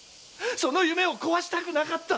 その夢を壊したくなかった！